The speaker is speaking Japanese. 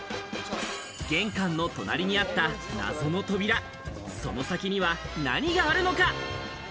玄関の隣にあった謎の扉、その先には何があるのか？